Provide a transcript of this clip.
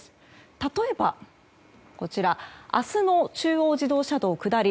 例えば、明日の中央自動車道下り